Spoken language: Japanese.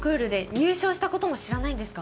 入賞したことも知らないんですか？